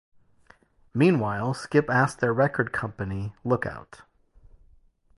Meanwhile, Skip asked their record company, Lookout!